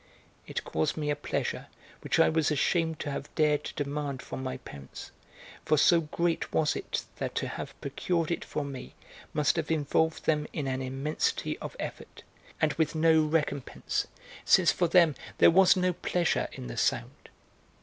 It caused me a pleasure which I was ashamed to have dared to demand from my parents, for so great was it that to have procured it for me must have involved them in an immensity of effort, and with no recompense, since for them there was no pleasure in the sound.